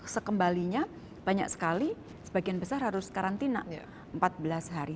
sekembalinya banyak sekali sebagian besar harus karantina empat belas hari